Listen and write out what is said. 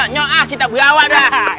nyoh ah kita bergawa dah